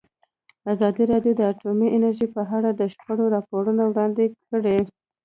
ازادي راډیو د اټومي انرژي په اړه د شخړو راپورونه وړاندې کړي.